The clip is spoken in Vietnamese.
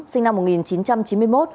sinh năm một nghìn chín trăm chín mươi một